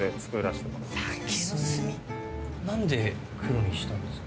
何で黒にしたんですか？